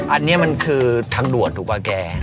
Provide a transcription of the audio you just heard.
อันนี้มันคือทางด่วนถูกป่ะแก